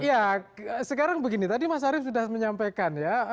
ya sekarang begini tadi mas arief sudah menyampaikan ya